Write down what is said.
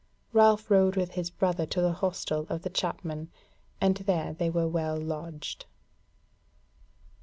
Ralph rode with his brother to the hostel of the chapmen, and there they were well lodged.